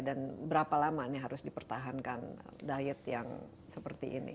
dan berapa lama ini harus dipertahankan diet yang seperti ini